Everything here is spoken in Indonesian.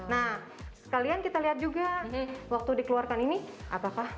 nah sekalian kita lihat juga waktu dikeluarkan ini apakah